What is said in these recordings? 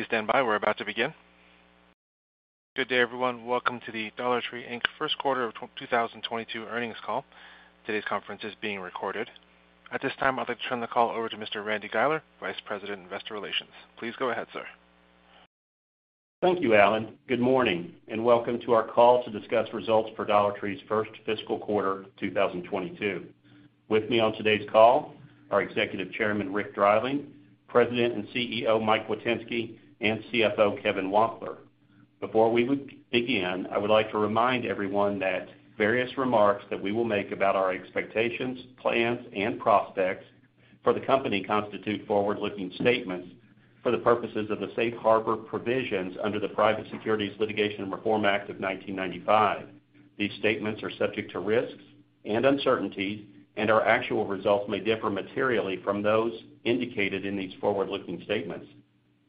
Please stand by. We're about to begin. Good day, everyone. Welcome to the Dollar Tree, Inc. first quarter of 2022 earnings call. Today's conference is being recorded. At this time, I'd like to turn the call over to Mr. Randy Guiler, Vice President, Investor Relations. Please go ahead, sir. Thank you, Alan. Good morning, and welcome to our call to discuss results for Dollar Tree's first fiscal quarter 2022. With me on today's call are Executive Chairman Rick Dreiling, President and CEO Mike Witynski, and CFO Kevin Wampler. Before we begin, I would like to remind everyone that various remarks that we will make about our expectations, plans, and prospects for the company constitute forward-looking statements for the purposes of the safe harbor provisions under the Private Securities Litigation Reform Act of 1995. These statements are subject to risks and uncertainties, and our actual results may differ materially from those indicated in these forward-looking statements.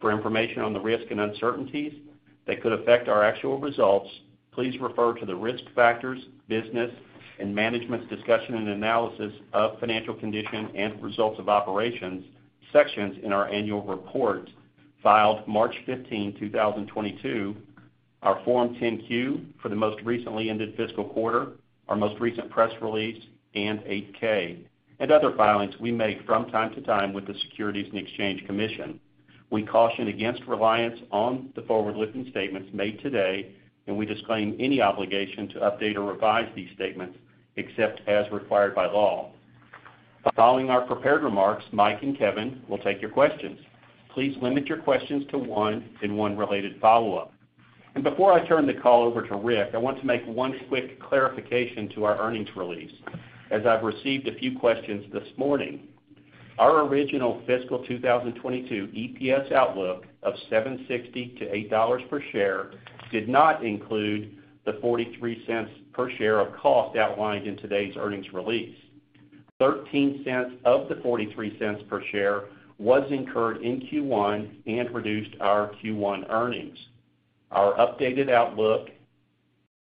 For information on the risks and uncertainties that could affect our actual results, please refer to the Risk Factors, Business, and Management's Discussion and Analysis of Financial Condition and Results of Operations sections in our annual report filed March 15th, 2022, our Form 10-Q for the most recently ended fiscal quarter, our most recent press release, and Form 8-K, and other filings we make from time to time with the Securities and Exchange Commission. We caution against reliance on the forward-looking statements made today, and we disclaim any obligation to update or revise these statements except as required by law. Following our prepared remarks, Mike and Kevin will take your questions. Please limit your questions to one and one related follow-up. Before I turn the call over to Rick, I want to make one quick clarification to our earnings release, as I've received a few questions this morning. Our original fiscal 2022 EPS outlook of $7.60-$8 per share did not include the $0.43 per share of cost outlined in today's earnings release. $0.13 of the $0.43 per share was incurred in Q1 and reduced our Q1 earnings. Our updated outlook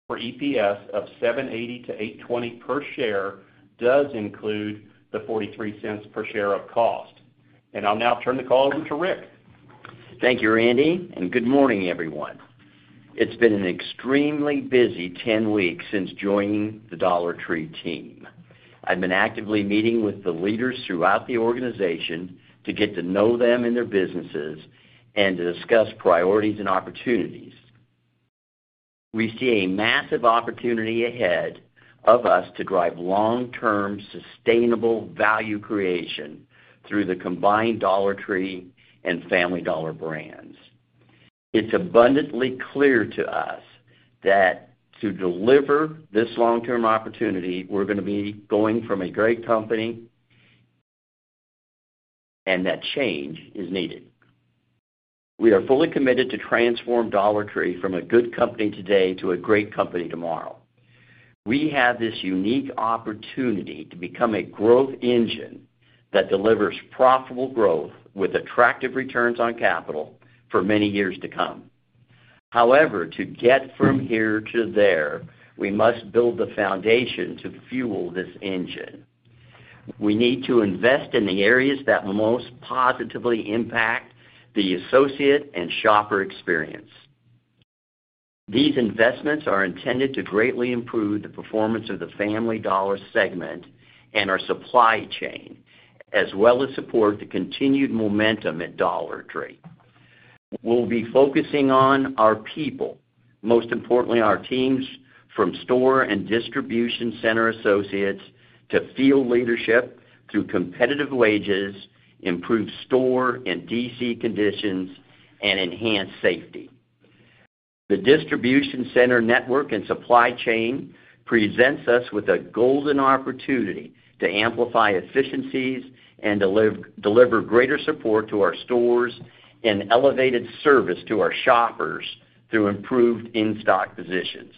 for EPS of $7.80-$8.20 per share does include the $0.43 per share of cost. I'll now turn the call over to Rick. Thank you, Randy, and good morning, everyone. It's been an extremely busy 10 weeks since joining the Dollar Tree team. I've been actively meeting with the leaders throughout the organization to get to know them and their businesses and to discuss priorities and opportunities. We see a massive opportunity ahead of us to drive long-term sustainable value creation through the combined Dollar Tree and Family Dollar brands. It's abundantly clear to us that to deliver this long-term opportunity, we're gonna be going from a good company, and that change is needed. We are fully committed to transform Dollar Tree from a good company today to a great company tomorrow. We have this unique opportunity to become a growth engine that delivers profitable growth with attractive returns on capital for many years to come. However, to get from here to there, we must build the foundation to fuel this engine. We need to invest in the areas that most positively impact the associate and shopper experience. These investments are intended to greatly improve the performance of the Family Dollar segment and our supply chain, as well as support the continued momentum at Dollar Tree. We'll be focusing on our people, most importantly, our teams from store and distribution center associates to field leadership, through competitive wages, improved store and DC conditions, and enhanced safety. The distribution center network and supply chain presents us with a golden opportunity to amplify efficiencies and deliver greater support to our stores and elevated service to our shoppers through improved in-stock positions.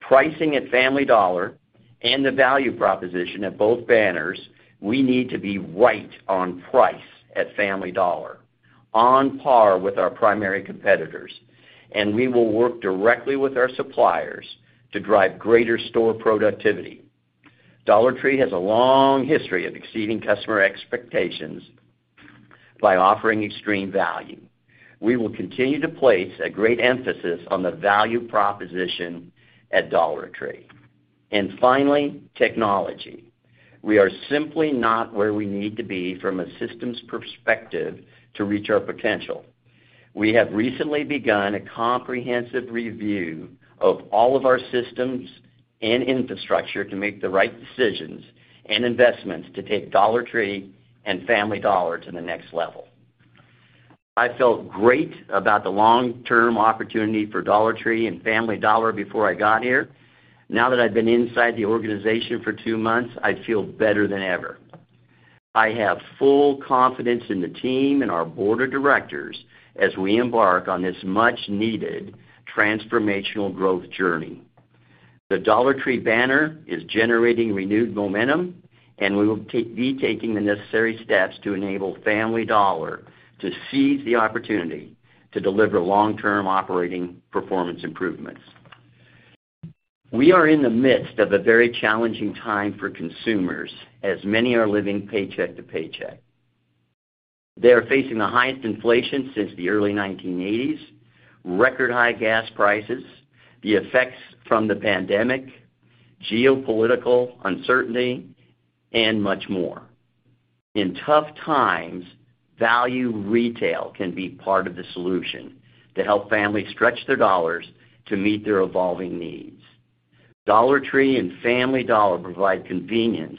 Pricing at Family Dollar and the value proposition at both banners. We need to be right on price at Family Dollar, on par with our primary competitors, and we will work directly with our suppliers to drive greater store productivity. Dollar Tree has a long history of exceeding customer expectations by offering extreme value. We will continue to place a great emphasis on the value proposition at Dollar Tree. Finally, technology. We are simply not where we need to be from a systems perspective to reach our potential. We have recently begun a comprehensive review of all of our systems and infrastructure to make the right decisions and investments to take Dollar Tree and Family Dollar to the next level. I felt great about the long-term opportunity for Dollar Tree and Family Dollar before I got here. Now that I've been inside the organization for two months, I feel better than ever. I have full confidence in the team and our board of directors as we embark on this much-needed transformational growth journey. The Dollar Tree banner is generating renewed momentum, and we will be taking the necessary steps to enable Family Dollar to seize the opportunity to deliver long-term operating performance improvements. We are in the midst of a very challenging time for consumers, as many are living paycheck to paycheck. They are facing the highest inflation since the early 1980s, record high gas prices, the effects from the pandemic, geopolitical uncertainty, and much more. In tough times, value retail can be part of the solution to help families stretch their dollars to meet their evolving needs. Dollar Tree and Family Dollar provide convenience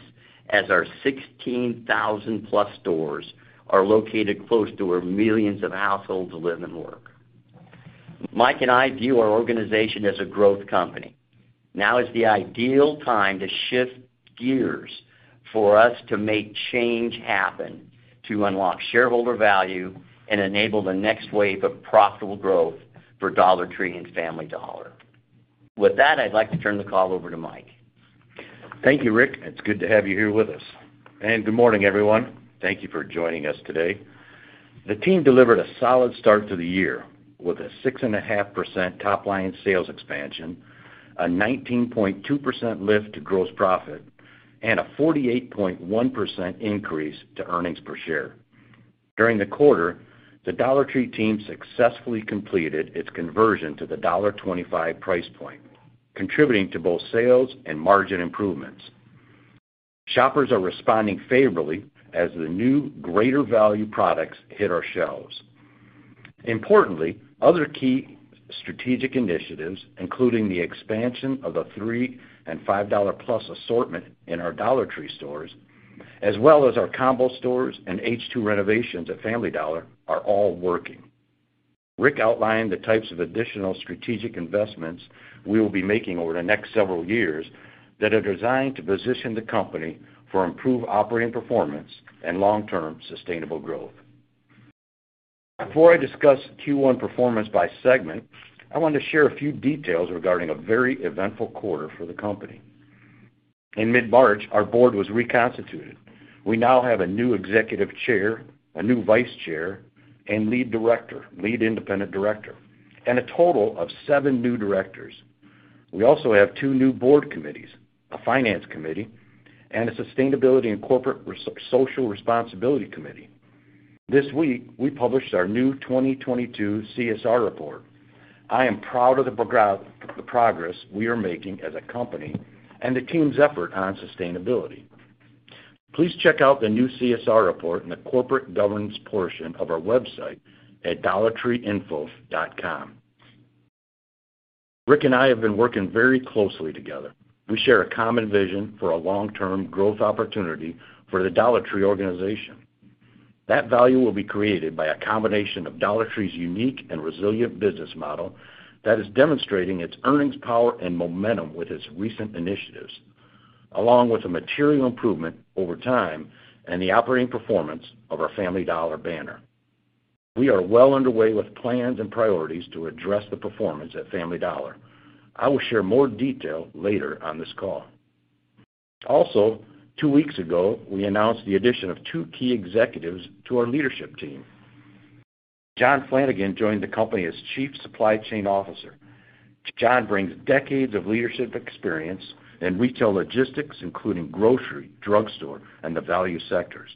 as our 16,000+ stores are located close to where millions of households live and work. Mike and I view our organization as a growth company. Now is the ideal time to shift gears for us to make change happen to unlock shareholder value and enable the next wave of profitable growth for Dollar Tree and Family Dollar. With that, I'd like to turn the call over to Mike. Thank you, Rick, and it's good to have you here with us. Good morning, everyone. Thank you for joining us today. The team delivered a solid start to the year with a 6.5% top-line sales expansion, a 19.2% lift to gross profit, and a 48.1% increase to earnings per share. During the quarter, the Dollar Tree team successfully completed its conversion to the $1.25 price point, contributing to both sales and margin improvements. Shoppers are responding favorably as the new greater value products hit our shelves. Importantly, other key strategic initiatives, including the expansion of the $3 and $5 plus assortment in our Dollar Tree stores, as well as our combo stores and H2 renovations at Family Dollar are all working. Rick outlined the types of additional strategic investments we will be making over the next several years that are designed to position the company for improved operating performance and long-term sustainable growth. Before I discuss Q1 performance by segment, I want to share a few details regarding a very eventful quarter for the company. In mid-March, our board was reconstituted. We now have a new executive chair, a new vice chair and lead director, lead independent director, and a total of seven new directors. We also have two new board committees, a finance committee, and a sustainability and corporate social responsibility committee. This week, we published our new 2022 CSR report. I am proud of the progress we are making as a company and the team's effort on sustainability. Please check out the new CSR report in the corporate governance portion of our website at dollartreeinfo.com. Rick and I have been working very closely together. We share a common vision for a long-term growth opportunity for the Dollar Tree organization. That value will be created by a combination of Dollar Tree's unique and resilient business model that is demonstrating its earnings power and momentum with its recent initiatives, along with a material improvement over time and the operating performance of our Family Dollar banner. We are well underway with plans and priorities to address the performance at Family Dollar. I will share more detail later on this call. Also, two weeks ago, we announced the addition of two key executives to our leadership team. John Flanigan joined the company as Chief Supply Chain Officer. John brings decades of leadership experience in retail logistics, including grocery, drugstore, and the value sectors.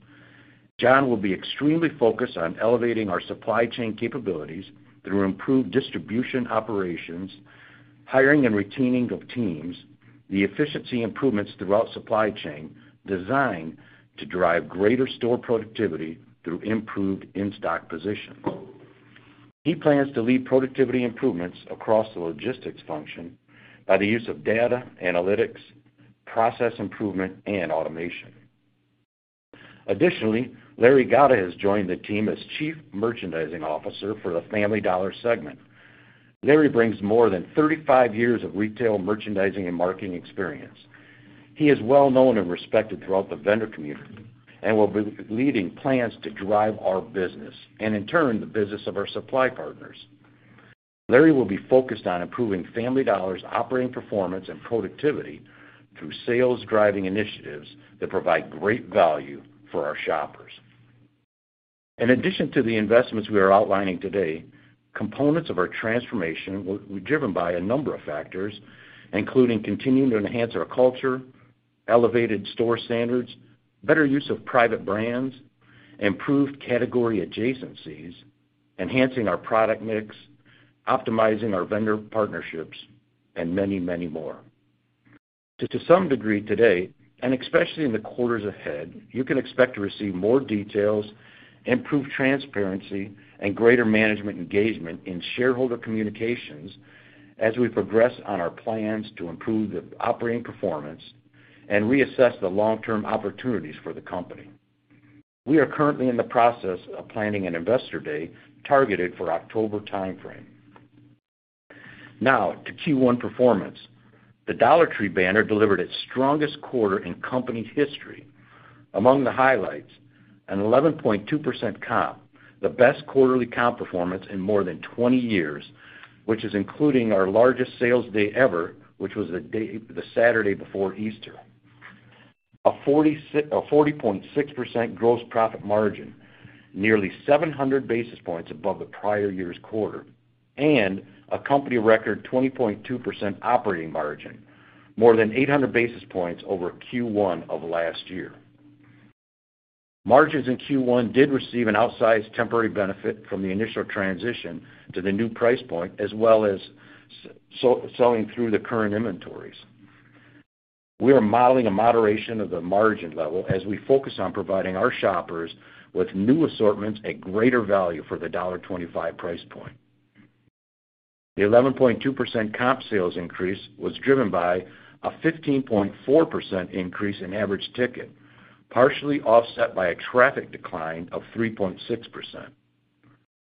John will be extremely focused on elevating our supply chain capabilities through improved distribution operations, hiring and retaining of teams, the efficiency improvements throughout supply chain designed to drive greater store productivity through improved in-stock position. He plans to lead productivity improvements across the logistics function by the use of data, analytics, process improvement, and automation. Additionally, Larry Gatta has joined the team as Chief Merchandising Officer for the Family Dollar segment. Larry brings more than 35 years of retail merchandising and marketing experience. He is well known and respected throughout the vendor community and will be leading plans to drive our business and in turn, the business of our supply partners. Larry will be focused on improving Family Dollar's operating performance and productivity through sales-driving initiatives that provide great value for our shoppers. In addition to the investments we are outlining today, components of our transformation were driven by a number of factors, including continuing to enhance our culture, elevated store standards, better use of private brands, improved category adjacencies, enhancing our product mix, optimizing our vendor partnerships, and many, many more. To some degree today, and especially in the quarters ahead, you can expect to receive more details, improved transparency, and greater management engagement in shareholder communications as we progress on our plans to improve the operating performance and reassess the long-term opportunities for the company. We are currently in the process of planning an investor day targeted for October timeframe. Now to Q1 performance. The Dollar Tree banner delivered its strongest quarter in company history. Among the highlights, an 11.2% comp, the best quarterly comp performance in more than 20 years, which is including our largest sales day ever, which was the Saturday before Easter. A 40.6% gross profit margin, nearly 700 basis points above the prior year's quarter, and a company record 20.2% operating margin, more than 800 basis points over Q1 of last year. Margins in Q1 did receive an outsized temporary benefit from the initial transition to the new price point, as well as selling through the current inventories. We are modeling a moderation of the margin level as we focus on providing our shoppers with new assortments at greater value for the $1.25 price point. The 11.2% comp sales increase was driven by a 15.4% increase in average ticket, partially offset by a traffic decline of 3.6%.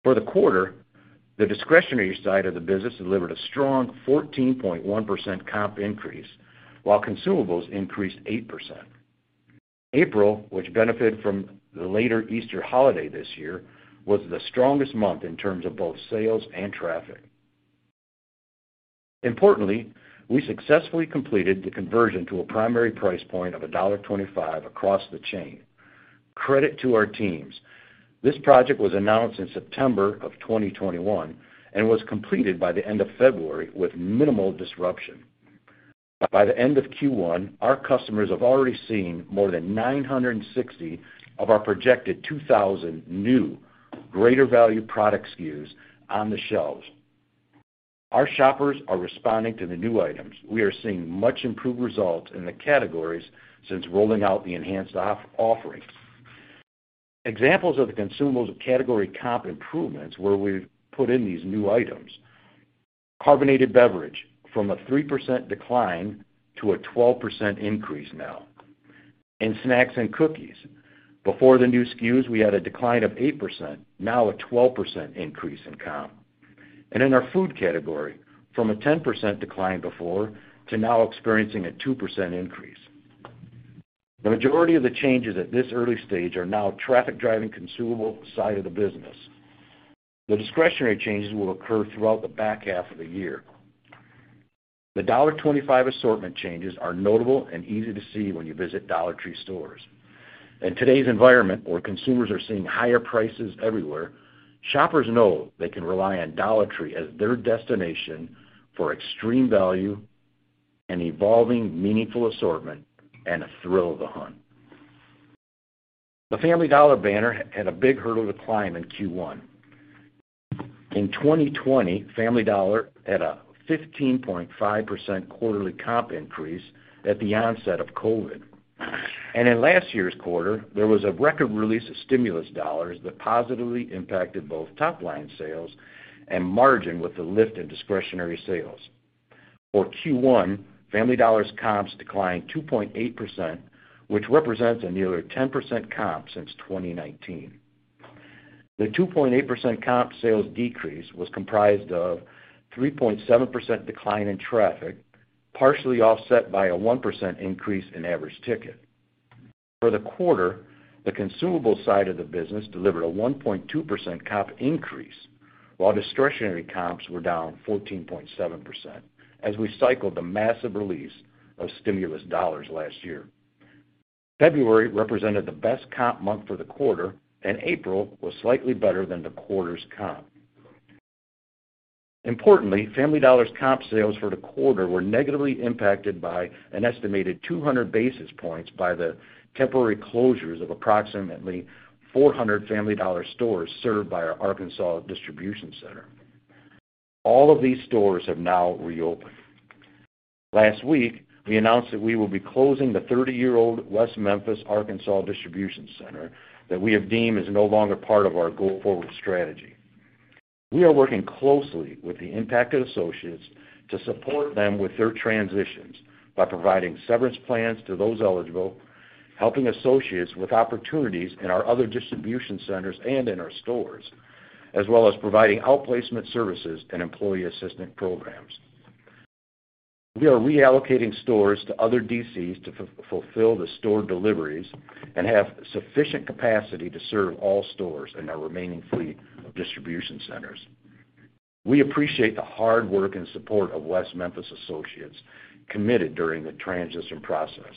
For the quarter, the discretionary side of the business delivered a strong 14.1% comp increase, while consumables increased 8%. April, which benefited from the later Easter holiday this year, was the strongest month in terms of both sales and traffic. Importantly, we successfully completed the conversion to a primary price point of $1.25 across the chain. Credit to our teams. This project was announced in September of 2021 and was completed by the end of February with minimal disruption. By the end of Q1, our customers have already seen more than 960 of our projected 2,000 new greater value product SKUs on the shelves. Our shoppers are responding to the new items. We are seeing much improved results in the categories since rolling out the enhanced off-price offering. Examples of the consumables category comp improvements where we've put in these new items. Carbonated beverage from a 3% decline to a 12% increase now. In snacks and cookies, before the new SKUs, we had a decline of 8%, now a 12% increase in comp. In our food category, from a 10% decline before, to now experiencing a 2% increase. The majority of the changes at this early stage are now traffic-driving consumable side of the business. The discretionary changes will occur throughout the back half of the year. The $1.25 assortment changes are notable and easy to see when you visit Dollar Tree stores. In today's environment, where consumers are seeing higher prices everywhere, shoppers know they can rely on Dollar Tree as their destination for extreme value, an evolving, meaningful assortment, and a thrill of the hunt. The Family Dollar banner had a big hurdle to climb in Q1. In 2020, Family Dollar had a 15.5% quarterly comp increase at the onset of COVID. In last year's quarter, there was a record release of stimulus dollars that positively impacted both top-line sales and margin with the lift in discretionary sales. For Q1, Family Dollar's comps declined 2.8%, which represents a nearly 10% comp since 2019. The 2.8% comp sales decrease was comprised of 3.7% decline in traffic, partially offset by a 1% increase in average ticket. For the quarter, the consumable side of the business delivered a 1.2% comp increase, while discretionary comps were down 14.7% as we cycled the massive release of stimulus dollars last year. February represented the best comp month for the quarter, and April was slightly better than the quarter's comp. Importantly, Family Dollar's comp sales for the quarter were negatively impacted by an estimated 200 basis points by the temporary closures of approximately 400 Family Dollar stores served by our Arkansas distribution center. All of these stores have now reopened. Last week, we announced that we will be closing the 30-year-old West Memphis, Arkansas distribution center that we have deemed is no longer part of our go-forward strategy. We are working closely with the impacted associates to support them with their transitions by providing severance plans to those eligible, helping associates with opportunities in our other distribution centers and in our stores, as well as providing outplacement services and employee assistance programs. We are reallocating stores to other DCs to fulfill the store deliveries and have sufficient capacity to serve all stores in our remaining fleet of distribution centers. We appreciate the hard work and support of West Memphis associates committed during the transition process.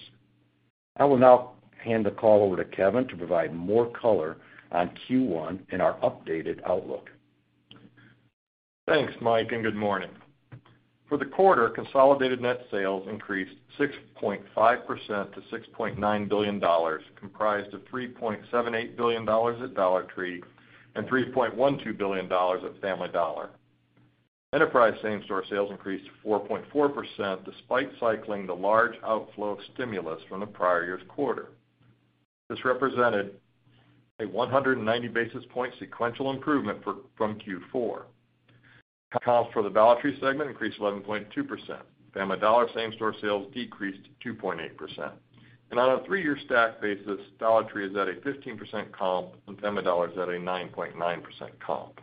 I will now hand the call over to Kevin to provide more color on Q1 and our updated outlook. Thanks, Mike, and good morning. For the quarter, consolidated net sales increased 6.5% to $6.9 billion, comprised of $3.78 billion at Dollar Tree and $3.12 billion at Family Dollar. Enterprise same-store sales increased 4.4% despite cycling the large outflow of stimulus from the prior year's quarter. This represented a 190 basis point sequential improvement from Q4. Comps for the Dollar Tree segment increased 11.2%. Family Dollar same-store sales decreased 2.8%. On a three-year stack basis, Dollar Tree is at a 15% comp and Family Dollar is at a 9.9% comp.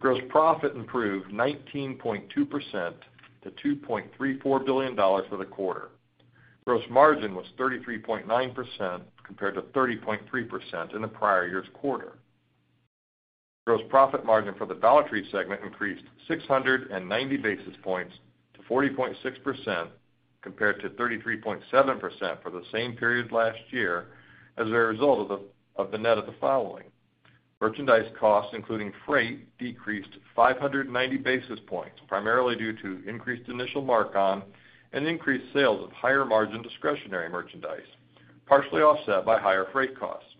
Gross profit improved 19.2% to $2.34 billion for the quarter. Gross margin was 33.9% compared to 30.3% in the prior year's quarter. Gross profit margin for the Dollar Tree segment increased 690 basis points to 40.6% compared to 33.7% for the same period last year as a result of the net of the following. Merchandise costs, including freight, decreased 590 basis points, primarily due to increased initial markup and increased sales of higher margin discretionary merchandise, partially offset by higher freight costs.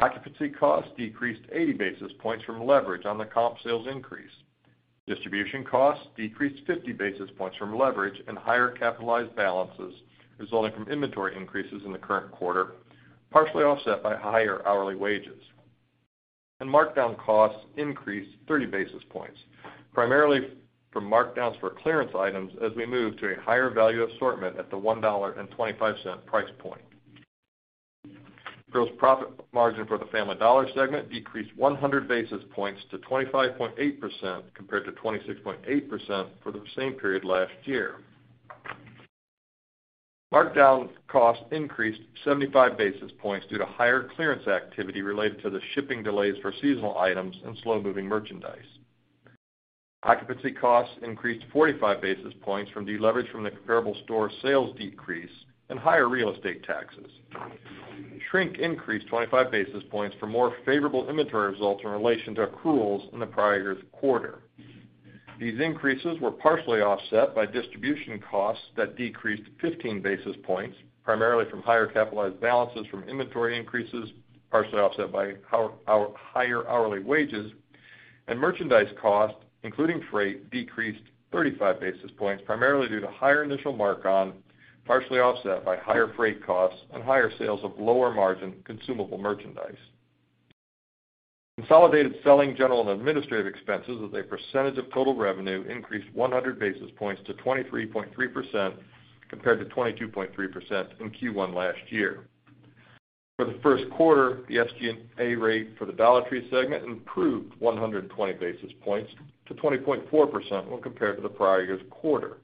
Occupancy costs decreased 80 basis points from leverage on the comp sales increase. Distribution costs decreased 50 basis points from leverage and higher capitalized balances resulting from inventory increases in the current quarter, partially offset by higher hourly wages. Markdown costs increased 30 basis points, primarily from markdowns for clearance items as we move to a higher value assortment at the $1.25 price point. Gross profit margin for the Family Dollar segment decreased 100 basis points to 25.8% compared to 26.8% for the same period last year. Markdown cost increased 75 basis points due to higher clearance activity related to the shipping delays for seasonal items and slow-moving merchandise. Occupancy costs increased 45 basis points from deleverage from the comparable store sales decrease and higher real estate taxes. Shrink increased 25 basis points for more favorable inventory results in relation to accruals in the prior year's quarter. These increases were partially offset by distribution costs that decreased 15 basis points, primarily from higher capitalized balances from inventory increases, partially offset by higher hourly wages. Merchandise costs, including freight, decreased 35 basis points, primarily due to higher initial markup, partially offset by higher freight costs and higher sales of lower margin consumable merchandise. Consolidated selling, general, and administrative expenses as a percentage of total revenue increased 100 basis points to 23.3% compared to 22.3% in Q1 last year. For the first quarter, the SG&A rate for the Dollar Tree segment improved 120 basis points to 20.4% when compared to the prior year's quarter.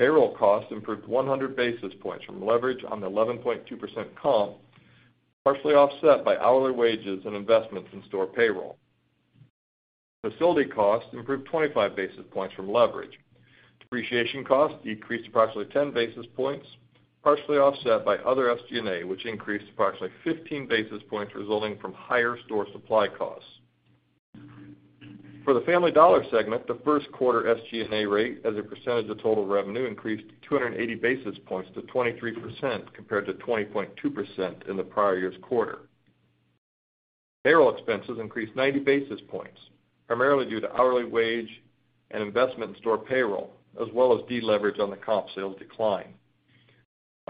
Payroll costs improved 100 basis points from leverage on the 11.2% comp, partially offset by hourly wages and investments in store payroll. Facility costs improved 25 basis points from leverage. Depreciation costs decreased approximately 10 basis points, partially offset by other SG&A, which increased approximately 15 basis points, resulting from higher store supply costs. For the Family Dollar segment, the first quarter SG&A rate as a percentage of total revenue increased 280 basis points to 23% compared to 20.2% in the prior year's quarter. Payroll expenses increased 90 basis points, primarily due to hourly wage and investment in store payroll, as well as deleverage on the comp sales decline.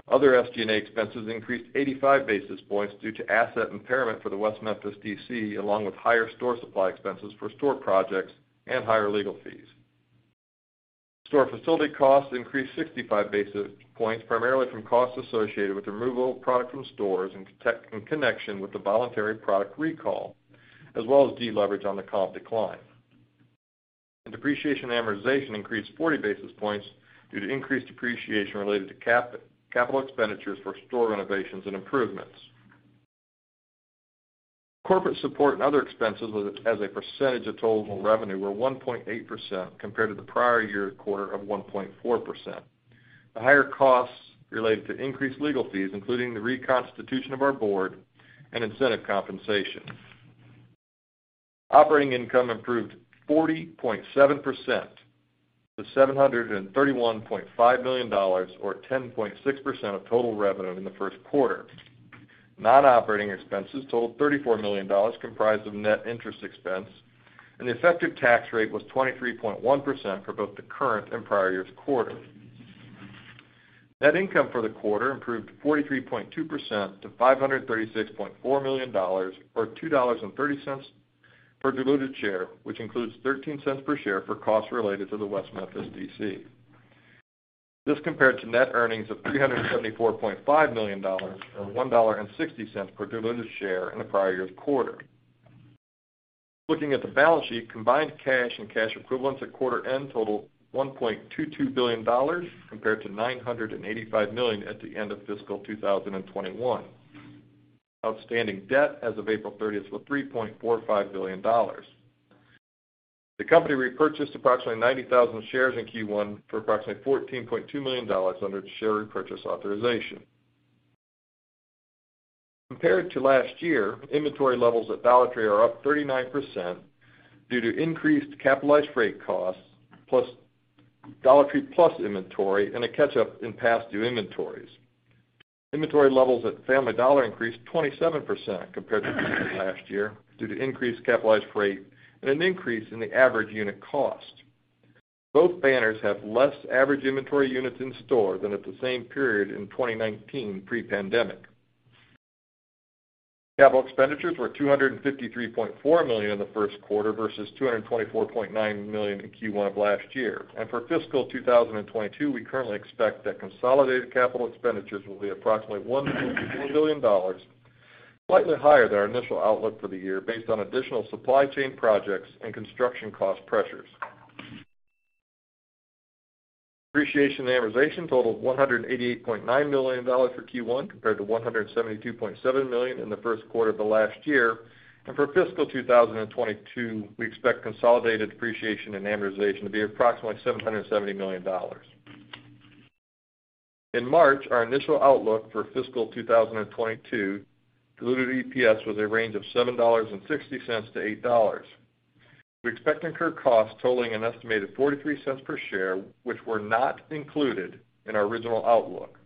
Other SG&A expenses increased 85 basis points due to asset impairment for the West Memphis DC, along with higher store supply expenses for store projects and higher legal fees. Store facility costs increased 65 basis points, primarily from costs associated with the removal of product from stores in connection with the voluntary product recall, as well as deleverage on the comp decline. Depreciation amortization increased 40 basis points due to increased depreciation related to capital expenditures for store renovations and improvements. Corporate support and other expenses as a percentage of total revenue were 1.8% compared to the prior year quarter of 1.4%. The higher costs related to increased legal fees, including the reconstitution of our board and incentive compensation. Operating income improved 40.7% to $731.5 million, or 10.6% of total revenue in the first quarter. Non-operating expenses totaled $34 million, comprised of net interest expense, and the effective tax rate was 23.1% for both the current and prior year's quarter. Net income for the quarter improved 43.2% to $536.4 million or $2.30 per diluted share, which includes $0.13 per share for costs related to the West Memphis DC. This compared to net earnings of $374.5 million or $1.60 per diluted share in the prior year's quarter. Looking at the balance sheet, combined cash and cash equivalents at quarter end total $1.22 billion compared to $985 million at the end of fiscal 2021. Outstanding debt as of April 30 was $3.45 billion. The company repurchased approximately 90,000 shares in Q1 for approximately $14.2 million under its share repurchase authorization. Compared to last year, inventory levels at Dollar Tree are up 39% due to increased capitalized freight costs, plus Dollar Tree inventory and a catch-up in past due inventories. Inventory levels at Family Dollar increased 27% compared to last year due to increased capitalized freight and an increase in the average unit cost. Both banners have less average inventory units in store than at the same period in 2019 pre-pandemic. Capital expenditures were $253.4 million in the first quarter versus $224.9 million in Q1 of last year. For fiscal 2022, we currently expect that consolidated capital expenditures will be approximately $1.4 billion, slightly higher than our initial outlook for the year based on additional supply chain projects and construction cost pressures. Depreciation and amortization totaled $188.9 million for Q1 compared to $172.7 million in the first quarter of the last year. For fiscal 2022, we expect consolidated depreciation and amortization to be approximately $770 million. In March, our initial outlook for fiscal 2022 diluted EPS was a range of $7.60-$8.00. We expect to incur costs totaling an estimated $0.43 per share, which were not included in our original outlook.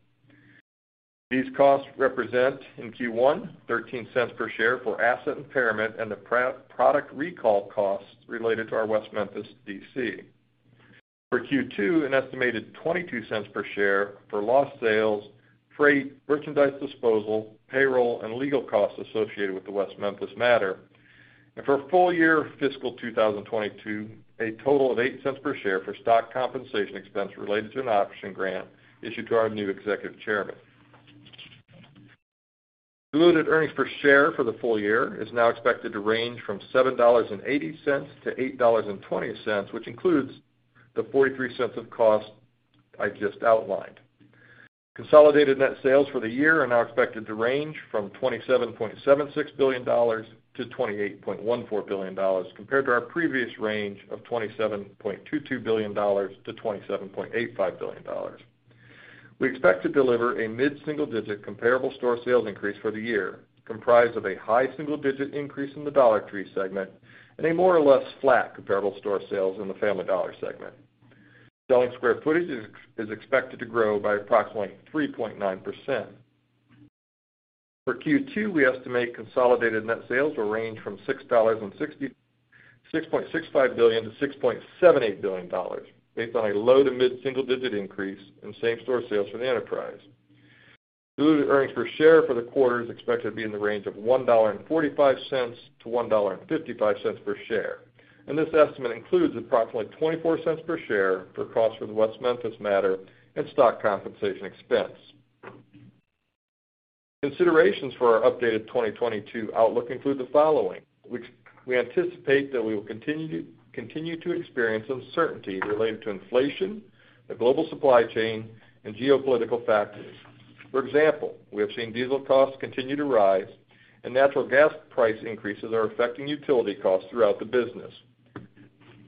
These costs represent, in Q1, $0.13 per share for asset impairment and the product recall costs related to our West Memphis DC. For Q2, an estimated $0.22 per share for lost sales, freight, merchandise disposal, payroll, and legal costs associated with the West Memphis matter. For full year fiscal 2022, a total of $0.08 per share for stock compensation expense related to an option grant issued to our new executive chairman. Diluted earnings per share for the full year is now expected to range from $7.80-$8.20, which includes the $0.43 of cost I just outlined. Consolidated net sales for the year are now expected to range from $27.76 billion-$28.14 billion compared to our previous range of $27.22 billion-$27.85 billion. We expect to deliver a mid-single digit comparable store sales increase for the year, comprised of a high single digit increase in the Dollar Tree segment and a more or less flat comparable store sales in the Family Dollar segment. Selling square footage is expected to grow by approximately 3.9%. For Q2, we estimate consolidated net sales will range from $6.65 billion-$6.78 billion, based on a low- to mid-single digit increase in same-store sales for the enterprise. Diluted earnings per share for the quarter is expected to be in the range of $1.45-$1.55 per share. This estimate includes approximately $0.24 per share for costs for the West Memphis matter and stock compensation expense. Considerations for our updated 2022 outlook include the following. We anticipate that we will continue to experience uncertainty related to inflation, the global supply chain, and geopolitical factors. For example, we have seen diesel costs continue to rise and natural gas price increases are affecting utility costs throughout the business.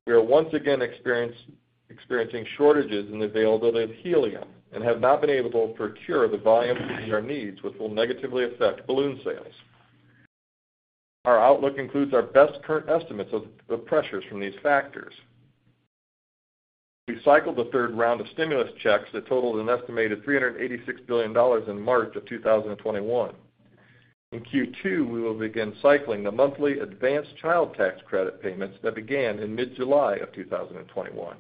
We are once again experiencing shortages in availability of helium and have not been able to procure the volumes that we require, which will negatively affect balloon sales. Our outlook includes our best current estimates of pressures from these factors. We cycled the third round of stimulus checks that totaled an estimated $386 billion in March 2021. In Q2, we will begin cycling the monthly advance child tax credit payments that began in mid-July 2021.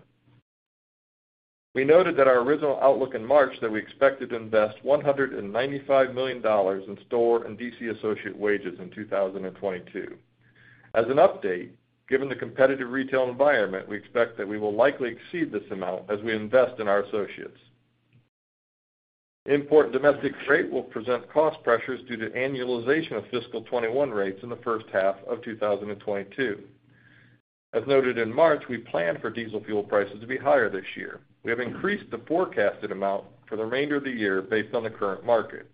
We noted that our original outlook in March that we expected to invest $195 million in store and DC associate wages in 2022. As an update, given the competitive retail environment, we expect that we will likely exceed this amount as we invest in our associates. Import and domestic freight will present cost pressures due to annualization of fiscal 2021 rates in the first half of 2022. As noted in March, we plan for diesel fuel prices to be higher this year. We have increased the forecasted amount for the remainder of the year based on the current market.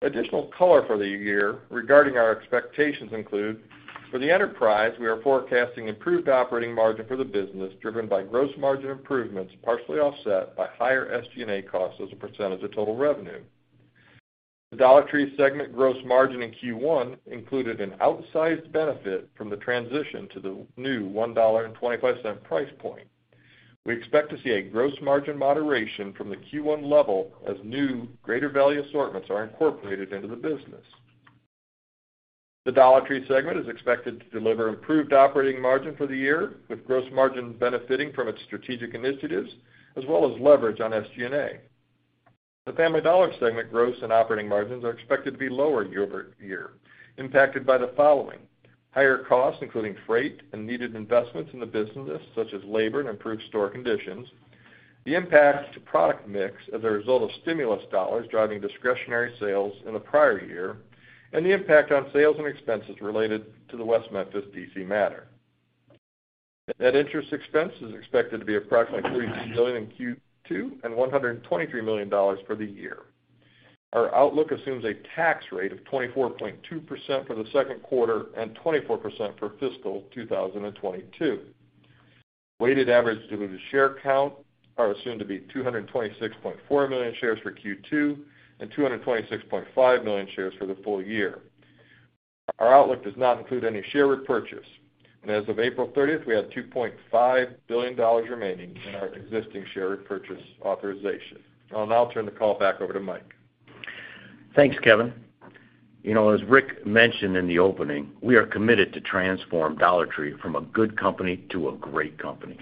Additional color for the year regarding our expectations include for the enterprise, we are forecasting improved operating margin for the business, driven by gross margin improvements, partially offset by higher SG&A costs as a percentage of total revenue. The Dollar Tree segment gross margin in Q1 included an outsized benefit from the transition to the new $1.25 price point. We expect to see a gross margin moderation from the Q1 level as new greater value assortments are incorporated into the business. The Dollar Tree segment is expected to deliver improved operating margin for the year, with gross margin benefiting from its strategic initiatives as well as leverage on SG&A. The Family Dollar segment gross and operating margins are expected to be lower year-over-year, impacted by higher costs, including freight and needed investments in the business such as labor and improved store conditions, the impact to product mix as a result of stimulus dollars driving discretionary sales in the prior year, and the impact on sales and expenses related to the West Memphis DC matter. Net interest expense is expected to be approximately $36 million in Q2 and $123 million for the year. Our outlook assumes a tax rate of 24.2% for the second quarter and 24% for fiscal 2022. Weighted average diluted share count are assumed to be 226.4 million shares for Q2 and 226.5 million shares for the full year. Our outlook does not include any share repurchase. As of April 30th, we had $2.5 billion remaining in our existing share repurchase authorization. I'll now turn the call back over to Mike. Thanks, Kevin. You know, as Rick mentioned in the opening, we are committed to transform Dollar Tree from a good company to a great company.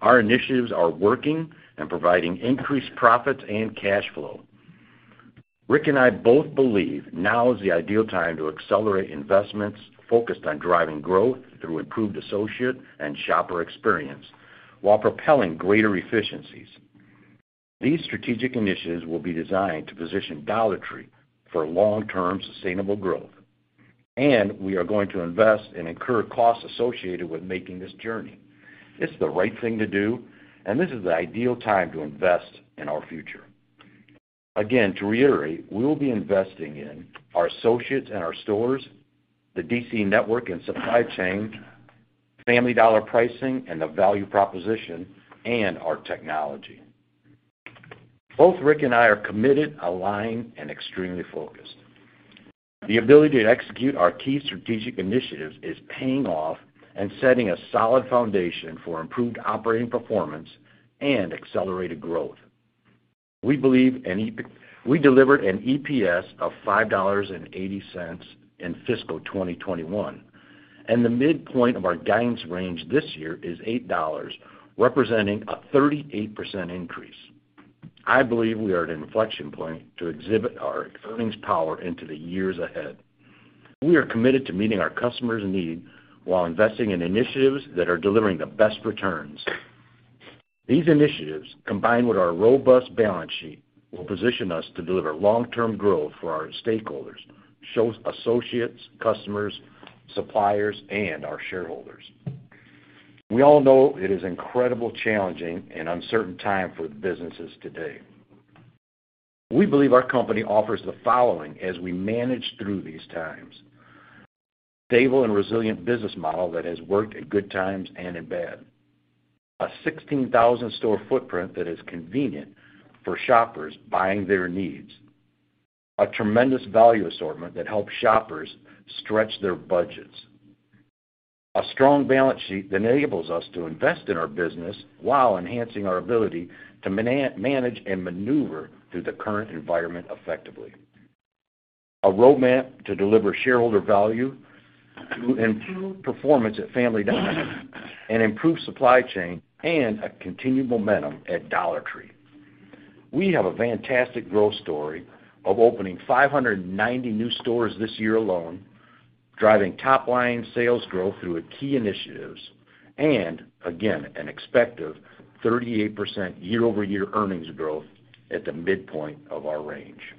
Our initiatives are working and providing increased profits and cash flow. Rick and I both believe now is the ideal time to accelerate investments focused on driving growth through improved associate and shopper experience while propelling greater efficiencies. These strategic initiatives will be designed to position Dollar Tree for long-term sustainable growth, and we are going to invest and incur costs associated with making this journey. It's the right thing to do, and this is the ideal time to invest in our future. Again, to reiterate, we will be investing in our associates and our stores, the DC network and supply chain, Family Dollar pricing and the value proposition, and our technology. Both Rick and I are committed, aligned, and extremely focused. The ability to execute our key strategic initiatives is paying off and setting a solid foundation for improved operating performance and accelerated growth. We believe we delivered an EPS of $5.80 in fiscal 2021, and the midpoint of our guidance range this year is $8, representing a 38% increase. I believe we are at an inflection point to exhibit our earnings power into the years ahead. We are committed to meeting our customers' needs while investing in initiatives that are delivering the best returns. These initiatives, combined with our robust balance sheet, will position us to deliver long-term growth for our stakeholders, associates, customers, suppliers, and our shareholders. We all know it is incredibly challenging and uncertain time for the businesses today. We believe our company offers the following as we manage through these times. Stable and resilient business model that has worked at good times and in bad. A 16,000 store footprint that is convenient for shoppers buying their needs. A tremendous value assortment that helps shoppers stretch their budgets. A strong balance sheet that enables us to invest in our business while enhancing our ability to manage and maneuver through the current environment effectively. A roadmap to deliver shareholder value through improved performance at Family Dollar and improve supply chain and a continued momentum at Dollar Tree. We have a fantastic growth story of opening 590 new stores this year alone, driving top line sales growth through key initiatives and again, an expected 38% year-over-year earnings growth at the midpoint of our range.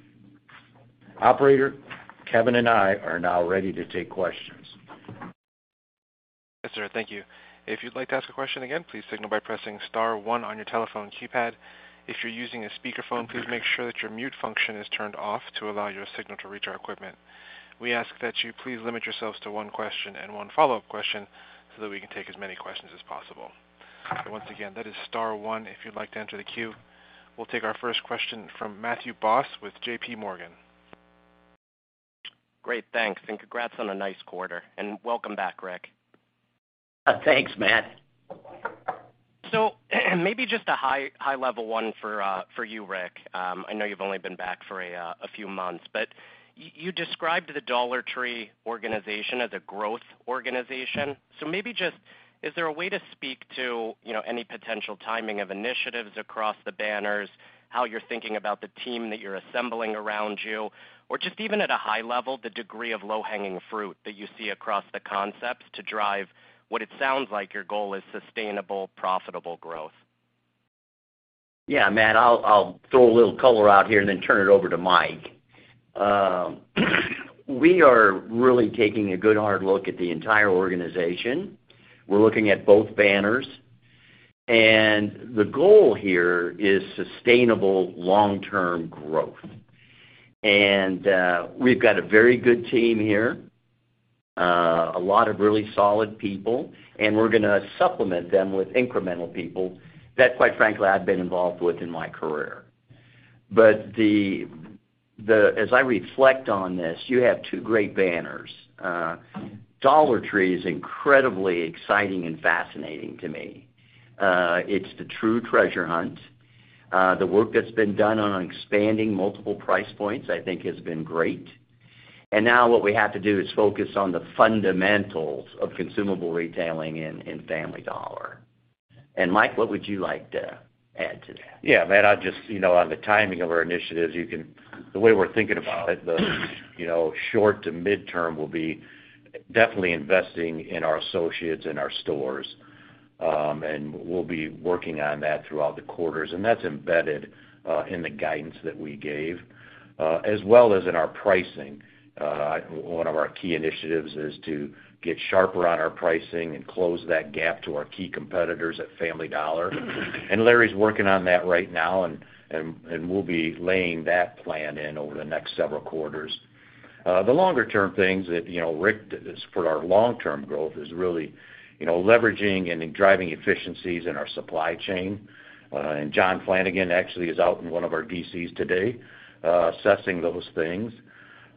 Operator, Kevin and I are now ready to take questions. Yes, sir. Thank you. If you'd like to ask a question, again, please signal by pressing Star One on your telephone keypad. If you're using a speakerphone, please make sure that your mute function is turned off to allow your signal to reach our equipment. We ask that you please limit yourselves to one question and one follow-up question so that we can take as many questions as possible. Once again, that is Star One if you'd like to enter the queue. We'll take our first question from Matthew Boss with J.P. Morgan. Great, thanks, and congrats on a nice quarter. Welcome back, Rick. Thanks, Matt. Maybe just a high level one for you, Rick. I know you've only been back for a few months, but you described the Dollar Tree organization as a growth organization. Maybe just, is there a way to speak to, you know, any potential timing of initiatives across the banners, how you're thinking about the team that you're assembling around you, or just even at a high level, the degree of low-hanging fruit that you see across the concepts to drive what it sounds like your goal is sustainable, profitable growth? Yeah, Matt, I'll throw a little color out here and then turn it over to Mike. We are really taking a good hard look at the entire organization. We're looking at both banners. The goal here is sustainable long-term growth. We've got a very good team here, a lot of really solid people, and we're gonna supplement them with incremental people that, quite frankly, I've been involved with in my career. But as I reflect on this, you have two great banners. Dollar Tree is incredibly exciting and fascinating to me. It's the true treasure hunt. The work that's been done on expanding multiple price points, I think, has been great. Now what we have to do is focus on the fundamentals of consumable retailing in Family Dollar. Mike, what would you like to add to that? Yeah, Matt, I'll just, you know, on the timing of our initiatives, the way we're thinking about it, the you know short to midterm will be definitely investing in our associates and our stores. We'll be working on that throughout the quarters, and that's embedded in the guidance that we gave as well as in our pricing. One of our key initiatives is to get sharper on our pricing and close that gap to our key competitors at Family Dollar. Larry's working on that right now, and we'll be laying that plan in over the next several quarters. The longer term things that you know Rick for our long-term growth is really you know leveraging and driving efficiencies in our supply chain. John Flanigan actually is out in one of our DCs today assessing those things.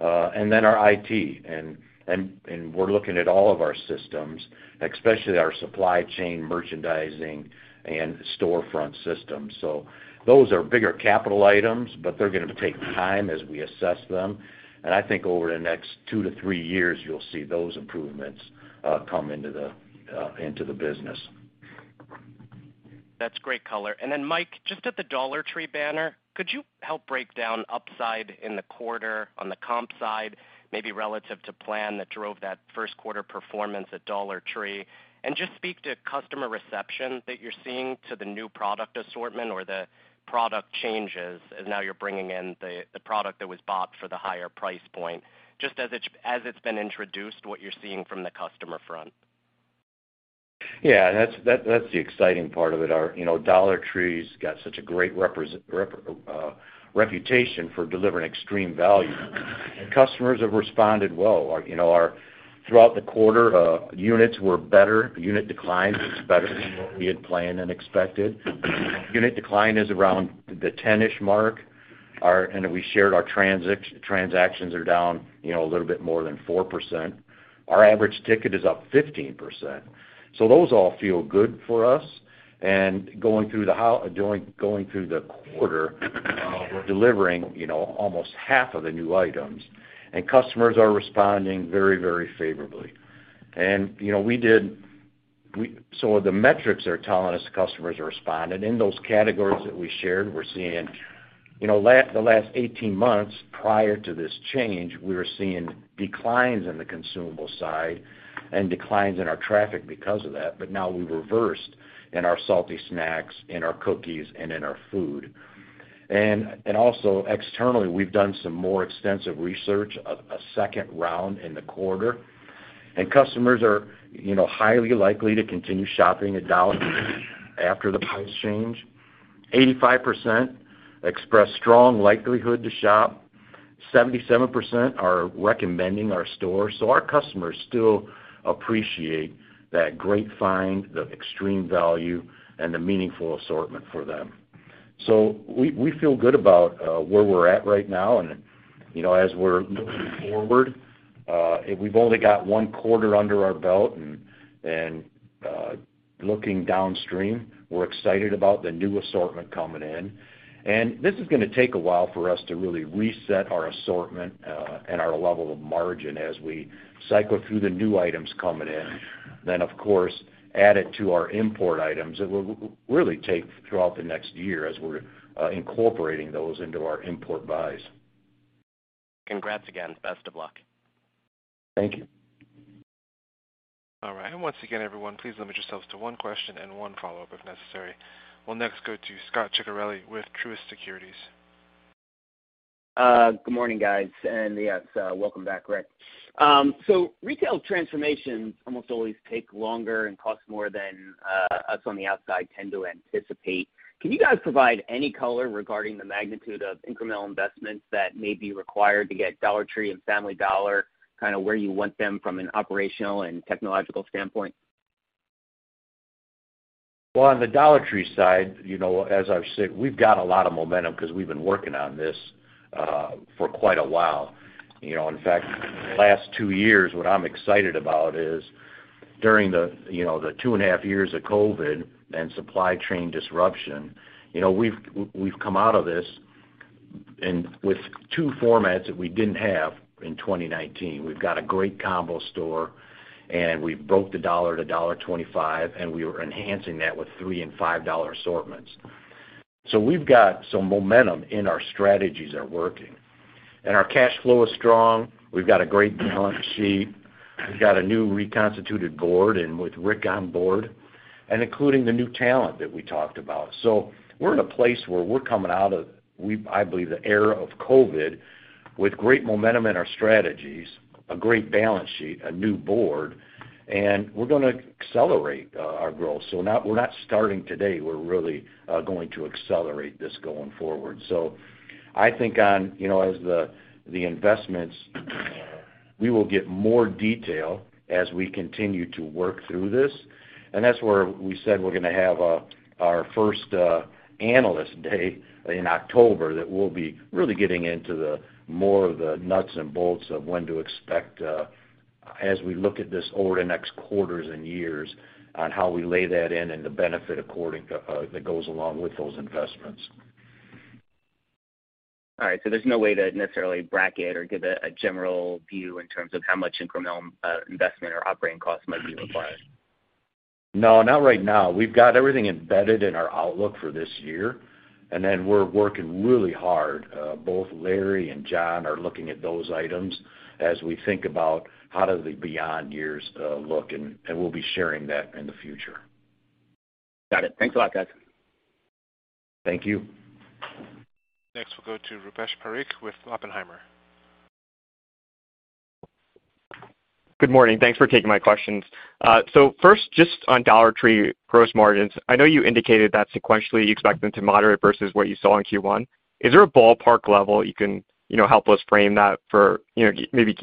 Our IT, and we're looking at all of our systems, especially our supply chain, merchandising, and storefront systems. Those are bigger capital items, but they're gonna take time as we assess them. I think over the next two to three years, you'll see those improvements come into the business. That's great color. Then Mike, just at the Dollar Tree banner, could you help break down upside in the quarter on the comp side, maybe relative to plan that drove that first quarter performance at Dollar Tree? Just speak to customer reception that you're seeing to the new product assortment or the product changes as now you're bringing in the product that was bought for the higher price point, just as it's been introduced, what you're seeing from the customer front. Yeah, that's the exciting part of it. Our, you know, Dollar Tree's got such a great reputation for delivering extreme value. Customers have responded well. Our, you know, throughout the quarter, units were better. Unit declines was better than what we had planned and expected. Unit decline is around the 10-ish mark. And then we shared our transactions are down, you know, a little bit more than 4%. Our average ticket is up 15%. Those all feel good for us. Going through the quarter, we're delivering, you know, almost half of the new items. Customers are responding very favorably. The metrics are telling us customers are responding. In those categories that we shared, we're seeing, you know, the last 18 months prior to this change, we were seeing declines in the consumable side and declines in our traffic because of that. Now we've reversed in our salty snacks, in our cookies, and in our food. Also externally, we've done some more extensive research, second round in the quarter. Customers are, you know, highly likely to continue shopping at Dollar Tree after the price change. 85% expressed strong likelihood to shop. 77% are recommending our store. Our customers still appreciate that great find, the extreme value, and the meaningful assortment for them. We feel good about where we're at right now. You know, as we're looking forward, we've only got one quarter under our belt. Looking downstream, we're excited about the new assortment coming in. This is gonna take a while for us to really reset our assortment, and our level of margin as we cycle through the new items coming in, then of course add it to our import items. It will really take throughout the next year as we're incorporating those into our import buys. Congrats again. Best of luck. Thank you. All right. Once again, everyone, please limit yourselves to one question and one follow-up if necessary. We'll next go to Scot Ciccarelli with Truist Securities. Good morning, guys. Yes, welcome back, Rick. Retail transformations almost always take longer and cost more than us on the outside tend to anticipate. Can you guys provide any color regarding the magnitude of incremental investments that may be required to get Dollar Tree and Family Dollar kind of where you want them from an operational and technological standpoint? Well, on the Dollar Tree side, you know, as I've said, we've got a lot of momentum because we've been working on this for quite a while. You know, in fact, the last two years, what I'm excited about is during the, you know, the two and a half years of COVID and supply chain disruption, you know, we've come out of this and with two formats that we didn't have in 2019. We've got a great combo store, and we broke the $1-$1.25, and we are enhancing that with $3 and $5 assortments. We've got some momentum in our strategies are working. Our cash flow is strong. We've got a great balance sheet. We've got a new reconstituted board and with Rick on board, and including the new talent that we talked about. We're in a place where we're coming out of I believe the era of COVID with great momentum in our strategies, a great balance sheet, a new board, and we're gonna accelerate our growth. We're not starting today, we're really going to accelerate this going forward. I think on you know as the investments we will get more detail as we continue to work through this. That's where we said we're gonna have our first analyst day in October that we'll be really getting into more of the nuts and bolts of when to expect as we look at this over the next quarters and years on how we lay that in and the benefit according that goes along with those investments. All right. There's no way to necessarily bracket or give a general view in terms of how much incremental investment or operating costs might be required? No, not right now. We've got everything embedded in our outlook for this year, and then we're working really hard, both Larry and John are looking at those items as we think about how do the beyond years look, and we'll be sharing that in the future. Got it. Thanks a lot, guys. Thank you. Next, we'll go to Rupesh Parikh with Oppenheimer. Good morning. Thanks for taking my questions. So first, just on Dollar Tree gross margins, I know you indicated that sequentially you expect them to moderate versus what you saw in Q1. Is there a ballpark level you can, you know, help us frame that for, you know, maybe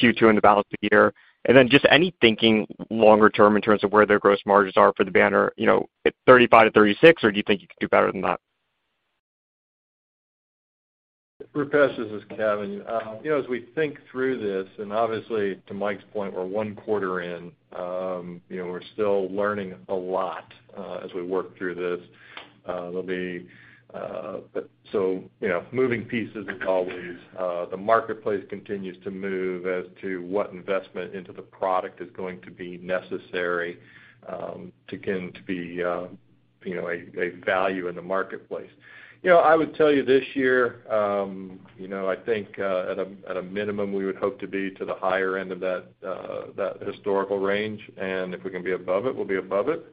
Q2 and the balance of the year? Then just any thinking longer term in terms of where their gross margins are for the banner, you know, at 35%-36%, or do you think you could do better than that? Rupesh, this is Kevin. You know, as we think through this, and obviously to Mike's point, we're one quarter in, you know, we're still learning a lot as we work through this. There'll be moving pieces as always, the marketplace continues to move as to what investment into the product is going to be necessary, to be you know, a value in the marketplace. You know, I would tell you this year, you know, I think at a minimum, we would hope to be to the higher end of that historical range. If we can be above it, we'll be above it.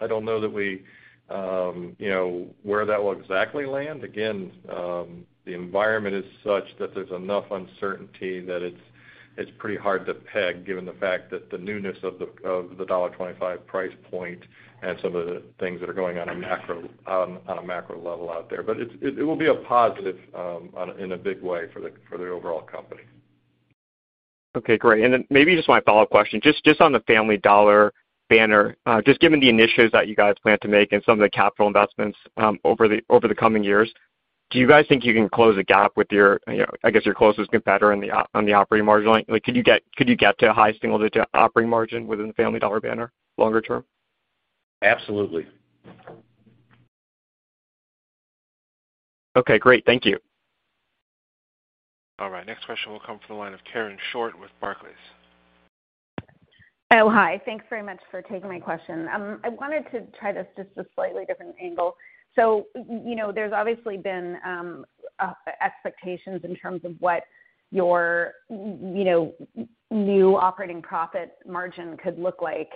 I don't know that we you know, where that will exactly land. Again, the environment is such that there's enough uncertainty that it's pretty hard to peg, given the fact that the newness of the $1.25 price point and some of the things that are going on a macro level out there. But it will be a positive in a big way for the overall company. Okay, great. Maybe just my follow-up question, just on the Family Dollar banner, just given the initiatives that you guys plan to make and some of the capital investments, over the coming years, do you guys think you can close the gap with your, you know, I guess, your closest competitor on the operating margin line? Like, could you get to a high single digit operating margin within the Family Dollar banner longer term? Absolutely. Okay, great. Thank you. All right, next question will come from the line of Karen Short with Barclays. Oh, hi. Thanks very much for taking my question. I wanted to try this just a slightly different angle. You know, there's obviously been expectations in terms of what your you know, new operating profit margin could look like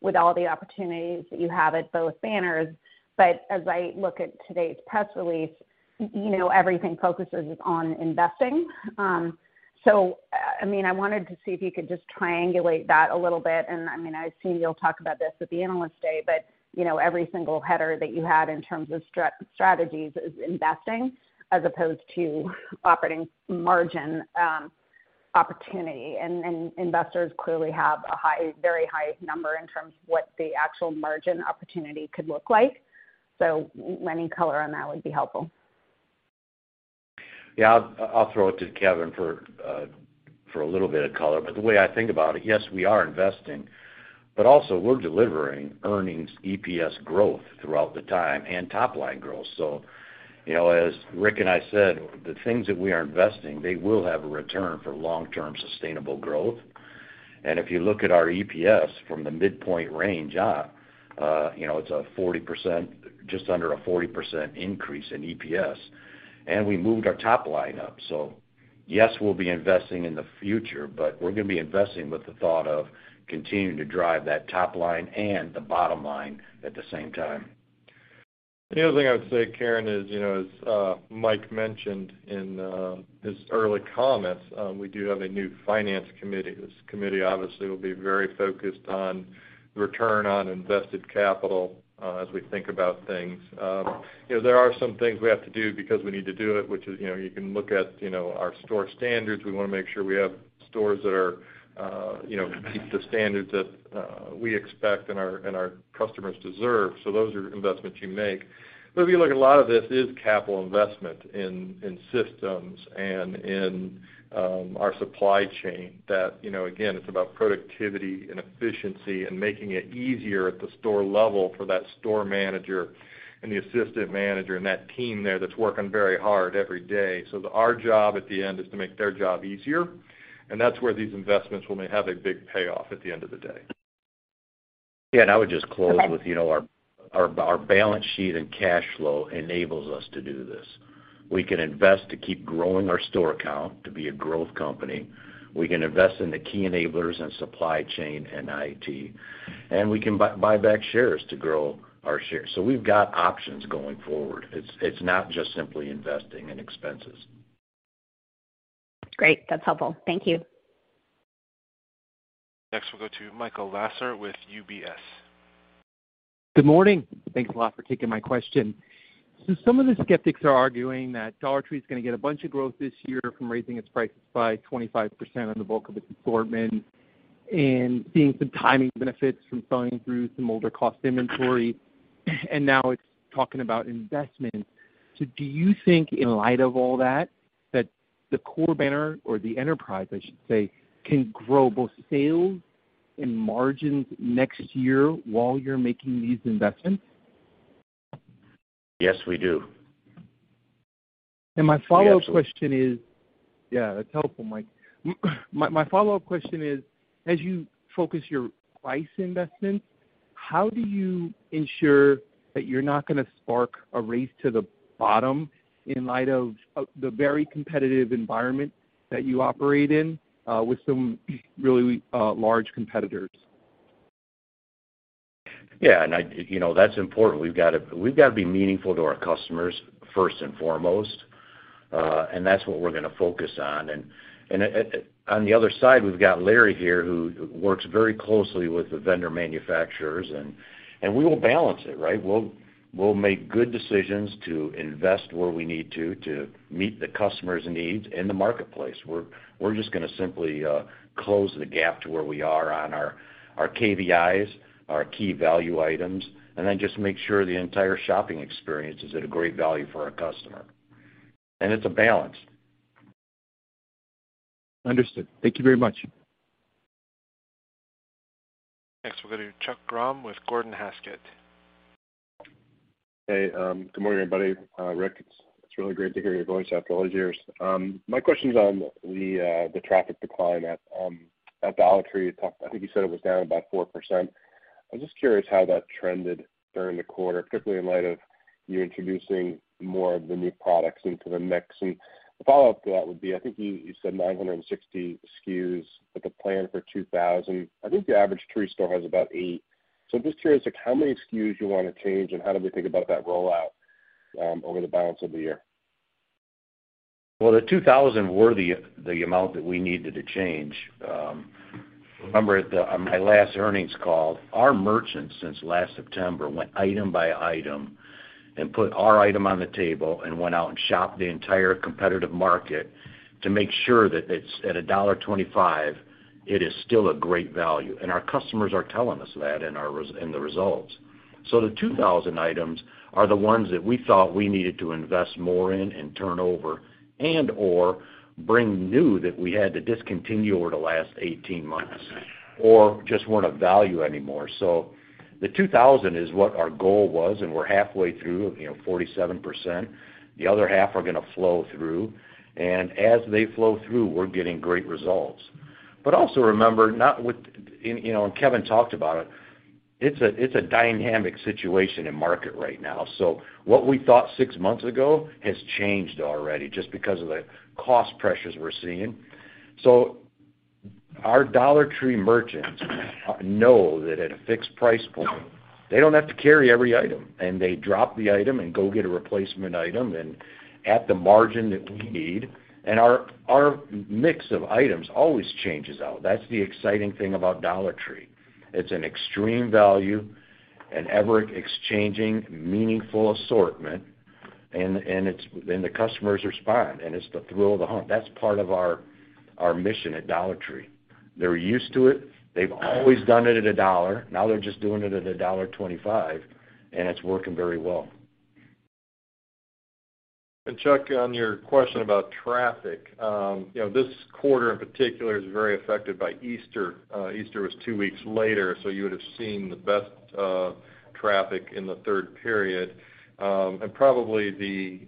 with all the opportunities that you have at both banners. As I look at today's press release, you know, everything focuses on investing. I mean, I wanted to see if you could just triangulate that a little bit. I mean, I assume you'll talk about this at the Analyst Day, but you know, every single header that you had in terms of strategies is investing as opposed to operating margin opportunity. Investors clearly have a very high number in terms of what the actual margin opportunity could look like. Any color on that would be helpful. Yeah. I'll throw it to Kevin for a little bit of color. The way I think about it, yes, we are investing, but also we're delivering earnings EPS growth throughout the time and top line growth. You know, as Rick and I said, the things that we are investing, they will have a return for long-term sustainable growth. If you look at our EPS from the midpoint range up, you know, it's 40%, just under 40% increase in EPS. We moved our top line up. Yes, we'll be investing in the future, but we're gonna be investing with the thought of continuing to drive that top line and the bottom line at the same time. The other thing I would say, Karen, is, you know, as Mike mentioned in his early comments, we do have a new finance committee. This committee obviously will be very focused on return on invested capital, as we think about things. You know, there are some things we have to do because we need to do it, which is, you know, you can look at, you know, our store standards. We wanna make sure we have stores that meet the standards that we expect and our customers deserve. Those are investments you make. If you look, a lot of this is capital investment in systems and in our supply chain that, you know, again, it's about productivity and efficiency and making it easier at the store level for that store manager and the assistant manager and that team there that's working very hard every day. Our job at the end is to make their job easier, and that's where these investments will have a big payoff at the end of the day. I would just close with, you know, our balance sheet and cash flow enables us to do this. We can invest to keep growing our store count to be a growth company. We can invest in the key enablers and supply chain and IT, and we can buy back shares to grow EPS. We've got options going forward. It's not just simply investing in expenses. Great. That's helpful. Thank you. Next, we'll go to Michael Lasser with UBS. Good morning. Thanks a lot for taking my question. Some of the skeptics are arguing that Dollar Tree is gonna get a bunch of growth this year from raising its prices by 25% on the bulk of its assortment and seeing some timing benefits from selling through some older cost inventory. Now it's talking about investments. Do you think in light of all that the core banner or the enterprise, I should say, can grow both sales and margins next year while you're making these investments? Yes, we do. My follow-up question is. We absolutely- Yeah, that's helpful, Mike. My follow-up question is, as you focus your price investments, how do you ensure that you're not gonna spark a race to the bottom in light of, the very competitive environment that you operate in, with some really, large competitors? Yeah. You know, that's important. We've got to be meaningful to our customers first and foremost. That's what we're gonna focus on. On the other side, we've got Larry here, who works very closely with the vendor manufacturers, and we will balance it, right? We'll make good decisions to invest where we need to meet the customer's needs in the marketplace. We're just gonna simply close the gap to where we are on our KVIs, our key value items, and then just make sure the entire shopping experience is at a great value for our customer. It's a balance. Understood. Thank you very much. Next, we'll go to Chuck Grom with Gordon Haskett. Hey, good morning, everybody. Rick, it's really great to hear your voice after all these years. My question's on the traffic decline at Dollar Tree. You talked. I think you said it was down about 4%. I'm just curious how that trended during the quarter, particularly in light of you introducing more of the new products into the mix. A follow-up to that would be, I think you said 960 SKUs with a plan for 2,000. I think the average Tree store has about eight. So just curious, like how many SKUs you wanna change, and how do we think about that rollout over the balance of the year? Well, the 2,000 were the amount that we needed to change. Remember on my last earnings call, our merchants since last September went item by item and put our item on the table and went out and shopped the entire competitive market to make sure that it's at a $1.25, it is still a great value, and our customers are telling us that in the results. The 2,000 items are the ones that we thought we needed to invest more in and turn over and/or bring new that we had to discontinue over the last 18 months or just weren't of value anymore. The 2,000 is what our goal was, and we're halfway through, you know, 47%. The other half are gonna flow through. As they flow through, we're getting great results. Also remember, you know, Kevin talked about it. It's a dynamic situation in the market right now. What we thought six months ago has changed already just because of the cost pressures we're seeing. Our Dollar Tree merchants know that at a fixed price point, they don't have to carry every item, and they drop the item and go get a replacement item and at the margin that we need. Our mix of items always changes out. That's the exciting thing about Dollar Tree. It's an extreme value, an ever-exchanging, meaningful assortment, and the customers respond, and it's the thrill of the hunt. That's part of our mission at Dollar Tree. They're used to it. They've always done it at $1. Now they're just doing it at $1.25, and it's working very well. Chuck, on your question about traffic, you know, this quarter in particular is very affected by Easter. Easter was two weeks later, so you would have seen the best traffic in the third period. Probably the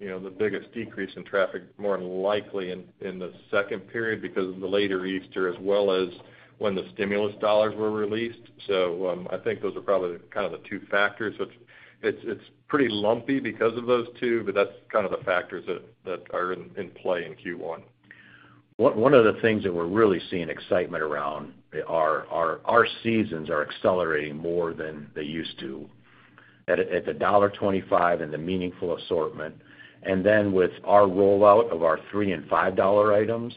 you know, the biggest decrease in traffic more than likely in the second period because of the later Easter, as well as when the stimulus dollars were released. I think those are probably kind of the two factors. It's pretty lumpy because of those two, but that's kind of the factors that are in play in Q1. One of the things that we're really seeing excitement around are our seasons accelerating more than they used to at a $1.25 and the meaningful assortment, and then with our rollout of our $3 and $5 items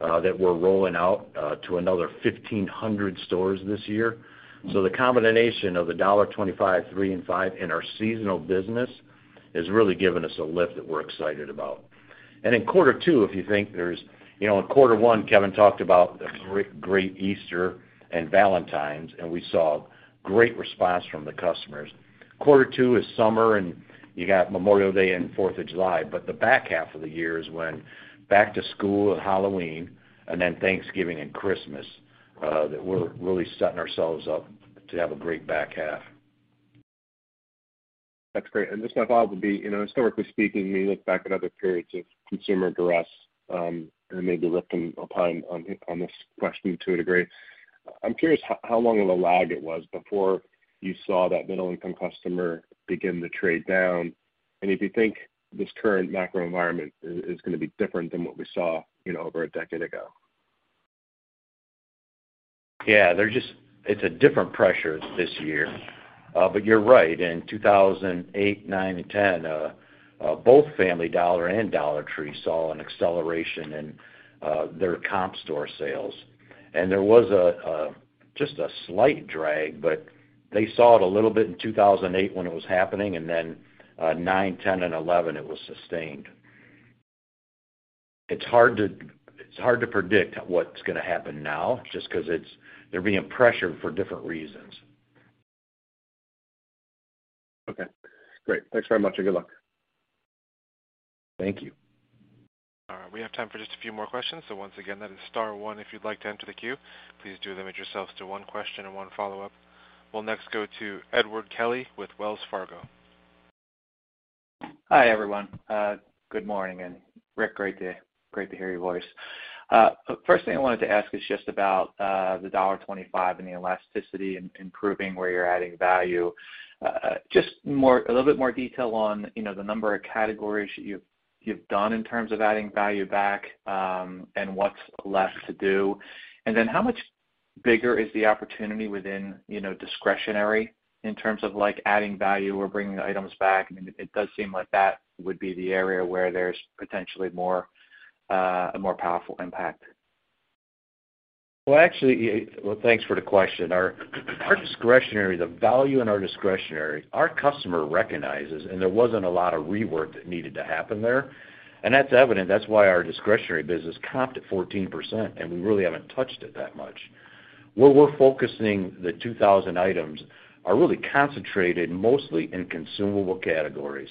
that we're rolling out to another 1,500 stores this year. The combination of the $1.25, $3 and $5 in our seasonal business has really given us a lift that we're excited about. In quarter two, you know, in quarter one, Kevin talked about a great Easter and Valentine's, and we saw great response from the customers. Quarter two is summer, and you got Memorial Day and Fourth of July. The back half of the year is when back to school and Halloween and then Thanksgiving and Christmas, that we're really setting ourselves up to have a great back half. That's great. Just my follow-up would be, you know, historically speaking, when you look back at other periods of consumer duress, and maybe Rip can opine on this question to a degree, I'm curious how long of a lag it was before you saw that middle income customer begin to trade down, and if you think this current macro environment is gonna be different than what we saw, you know, over a decade ago. Yeah. They're just. It's a different pressure this year. But you're right. In 2008, 2009, and 2010, both Family Dollar and Dollar Tree saw an acceleration in their comp store sales. There was just a slight drag, but they saw it a little bit in 2008 when it was happening, and then 2009, 2010, and 2011, it was sustained. It's hard to predict what's gonna happen now just 'cause they're being pressured for different reasons. Okay. Great. Thanks very much, and good luck. Thank you. We have time for just a few more questions. Once again, that is star one if you'd like to enter the queue. Please do limit yourselves to one question and one follow-up. We'll next go to Edward Kelly with Wells Fargo. Hi, everyone. Good morning. Rick, great to hear your voice. First thing I wanted to ask is just about the $1.25 and the elasticity and improving where you're adding value. Just a little bit more detail on, you know, the number of categories you've done in terms of adding value back, and what's left to do. Then how much bigger is the opportunity within, you know, discretionary in terms of, like, adding value or bringing items back? I mean, it does seem like that would be the area where there's potentially more, a more powerful impact. Actually, thanks for the question. Our discretionary, the value in our discretionary our customer recognizes, and there wasn't a lot of rework that needed to happen there. That's evident. That's why our discretionary business comped at 14%, and we really haven't touched it that much. Where we're focusing the 2,000 items are really concentrated mostly in consumable categories.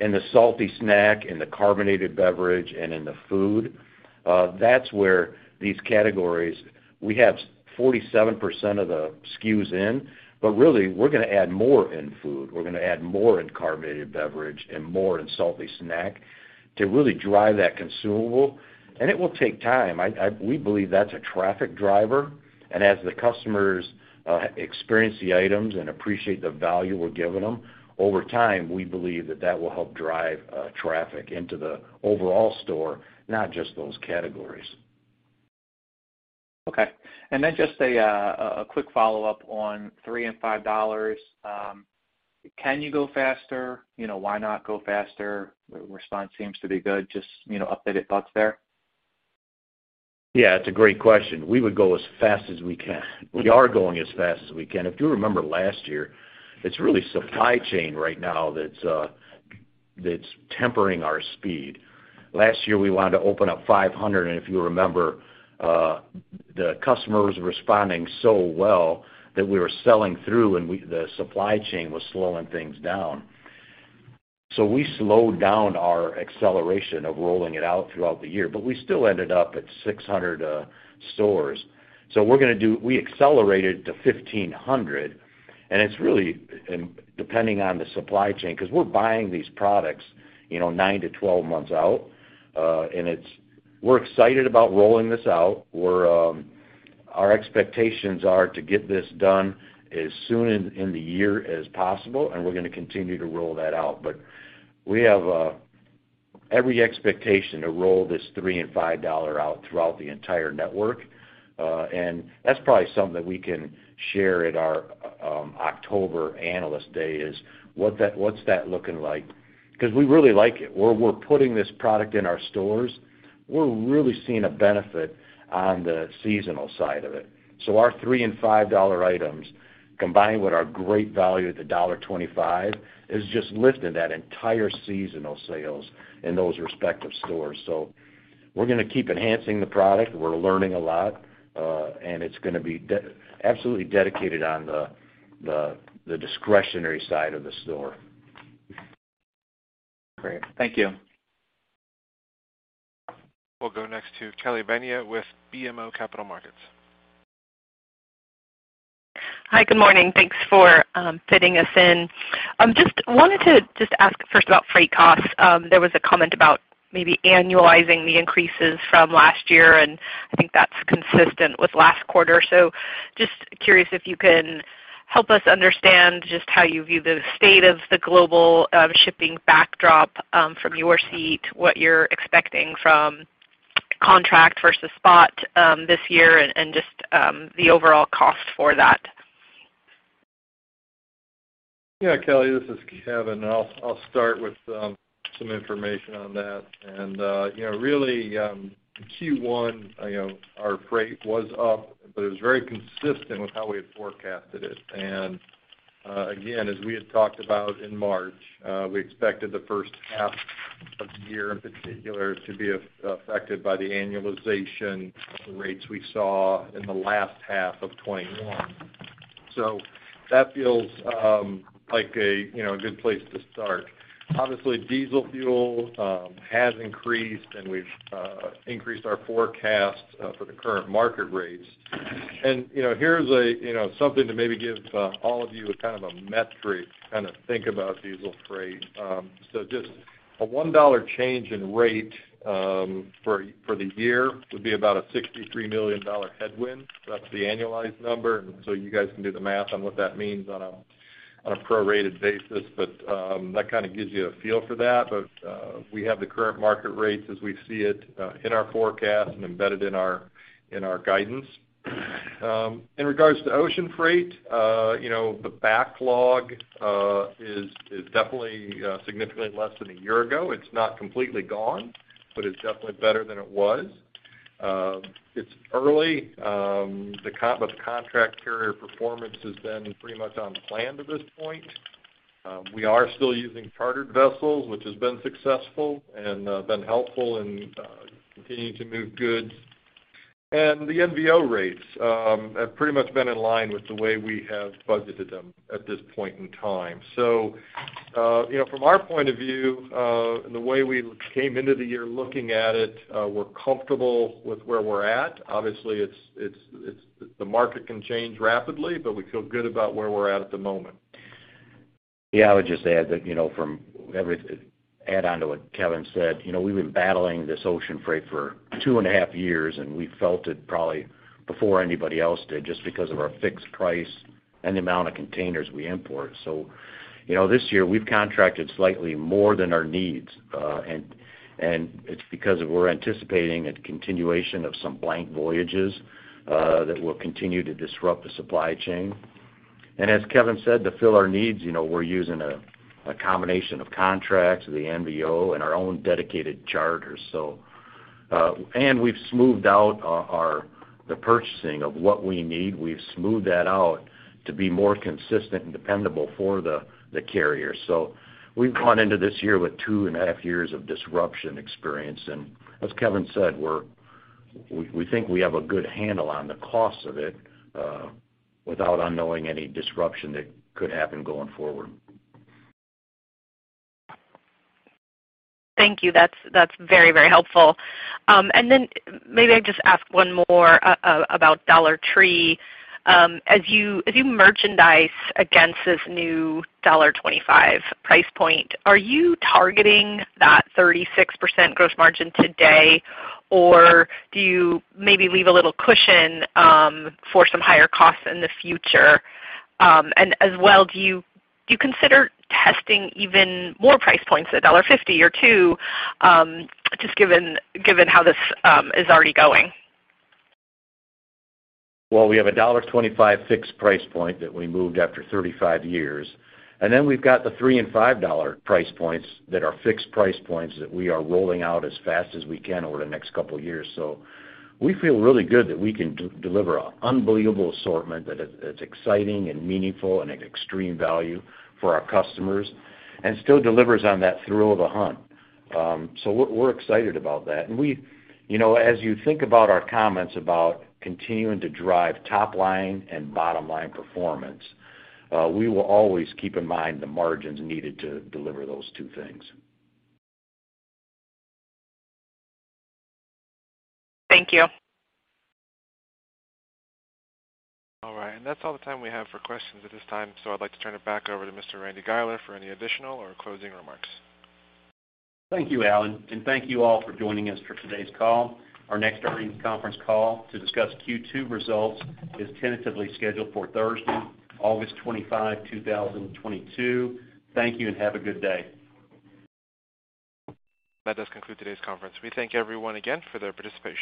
In the salty snack, in the carbonated beverage, and in the food, that's where these categories, we have 47% of the SKUs in, but really we're gonna add more in food. We're gonna add more in carbonated beverage and more in salty snack to really drive that consumable, and it will take time. We believe that's a traffic driver, and as the customers experience the items and appreciate the value we're giving them, over time, we believe that will help drive traffic into the overall store, not just those categories. Okay. Just a quick follow-up on $3 and $5. Can you go faster? You know, why not go faster? Response seems to be good. Just, you know, updated thoughts there. Yeah, it's a great question. We would go as fast as we can. We are going as fast as we can. If you remember last year, it's really supply chain right now that's tempering our speed. Last year, we wanted to open up 500, and if you remember, the customers responding so well that we were selling through and the supply chain was slowing things down. We slowed down our acceleration of rolling it out throughout the year, but we still ended up at 600 stores. We accelerated to 1,500, and it's really depending on the supply chain, 'cause we're buying these products, you know, nine to 12 months out. We're excited about rolling this out. Our expectations are to get this done as soon in the year as possible, and we're gonna continue to roll that out. We have every expectation to roll this $3 and $5 out throughout the entire network. That's probably something that we can share at our October Analyst Day, is what that's looking like? 'Cause we really like it. Where we're putting this product in our stores, we're really seeing a benefit on the seasonal side of it. Our $3 and $5 items, combined with our great value at the $1.25, has just lifted that entire seasonal sales in those respective stores. We're gonna keep enhancing the product. We're learning a lot, and it's gonna be absolutely dedicated on the discretionary side of the store. Great. Thank you. We'll go next to Kelly Bania with BMO Capital Markets. Hi. Good morning. Thanks for fitting us in. Just wanted to ask first about freight costs. There was a comment about maybe annualizing the increases from last year, and I think that's consistent with last quarter. Just curious if you can help us understand just how you view the state of the global shipping backdrop from your seat, what you're expecting from contract versus spot this year and just the overall cost for that. Yeah, Kelly, this is Kevin, and I'll start with some information on that. You know, really, in Q1, you know, our freight was up, but it was very consistent with how we had forecasted it. Again, as we had talked about in March, we expected the first half of the year in particular to be affected by the annualization of the rates we saw in the last half of 2021. So that feels like a good place to start. Obviously, diesel fuel has increased, and we've increased our forecast for the current market rates. You know, here's something to maybe give all of you a kind of a metric to kind of think about diesel freight. Just a $1 change in rate for the year would be about a $63 million headwind. That's the annualized number, you guys can do the math on what that means on a prorated basis. That kinda gives you a feel for that. We have the current market rates as we see it in our forecast and embedded in our guidance. In regards to ocean freight, you know, the backlog is definitely significantly less than a year ago. It's not completely gone, but it's definitely better than it was. It's early. The contract carrier performance has been pretty much on plan to this point. We are still using chartered vessels, which has been successful and been helpful in continuing to move goods. The NVO rates have pretty much been in line with the way we have budgeted them at this point in time. You know, from our point of view, and the way we came into the year looking at it, we're comfortable with where we're at. Obviously, it's the market can change rapidly, but we feel good about where we're at the moment. Yeah, I would just add on to what Kevin said, you know, we've been battling this ocean freight for two and a half years, and we felt it probably before anybody else did, just because of our fixed price and the amount of containers we import. This year we've contracted slightly more than our needs, and it's because we're anticipating a continuation of some blank voyages that will continue to disrupt the supply chain. As Kevin said, to fill our needs, you know, we're using a combination of contracts, the NVO, and our own dedicated charters. We've smoothed out the purchasing of what we need to be more consistent and dependable for the carrier. We've gone into this year with two and a half years of disruption experience. As Kevin said, we think we have a good handle on the costs of it, without anticipating any disruption that could happen going forward. Thank you. That's very helpful. Maybe I just ask one more about Dollar Tree. As you merchandise against this new $1.25 price point, are you targeting that 36% gross margin today, or do you maybe leave a little cushion for some higher costs in the future? As well, do you consider testing even more price points, $1.50 or $2, just given how this is already going? Well, we have a $1.25 fixed price point that we moved after 35 years, and then we've got the $3 and $5 price points that are fixed price points that we are rolling out as fast as we can over the next couple of years. We feel really good that we can deliver unbelievable assortment that is exciting and meaningful and extreme value for our customers and still delivers on that thrill of the hunt. We're excited about that. We, you know, as you think about our comments about continuing to drive top line and bottom line performance, we will always keep in mind the margins needed to deliver those two things. Thank you. All right. That's all the time we have for questions at this time, so I'd like to turn it back over to Mr. Randy Guiler for any additional or closing remarks. Thank you, Alan, and thank you all for joining us for today's call. Our next earnings conference call to discuss Q2 results is tentatively scheduled for Thursday, August 25, 2022. Thank you, and have a good day. That does conclude today's conference. We thank everyone again for their participation.